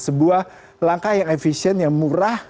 sebuah langkah yang efisien yang murah